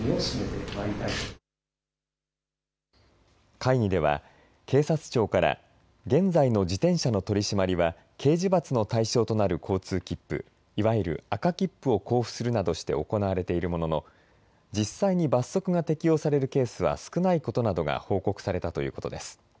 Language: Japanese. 会議では警察庁から現在の自転車の取締りは刑事罰の対象となる交通切符、いわゆる赤切符を交付するなどして行われているものの実際に罰則が適用されるケースは少ないことなどが報告されたということです。